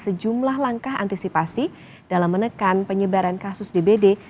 sejumlah langkah antisipasi dalam menekan penyebaran kasus dbd